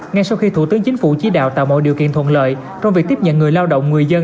ngay sau khi thủ tướng chính phủ chỉ đạo tạo mọi điều kiện thuận lợi trong việc tiếp nhận người lao động người dân